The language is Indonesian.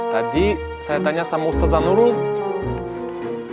tadi saya tanya sama ustadz sanurul